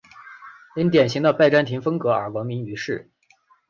因典型的拜占庭风格而闻名于世。